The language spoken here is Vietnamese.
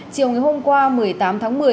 chiều ngày hôm qua một mươi tám tháng một mươi